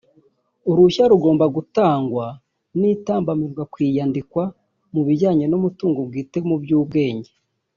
uruhushya rugomba gutangwa n’itambamirwa ku iyandikwa mu bijyanye n’umutungo bwite mu by’ubwenge